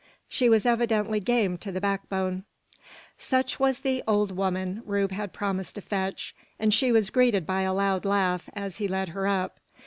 She was evidently game to the backbone. Such was the "old 'oman" Rube had promised to fetch; and she was greeted by a loud laugh as he led her up.